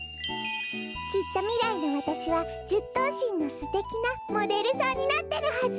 きっとみらいのわたしは１０とうしんのすてきなモデルさんになってるはず！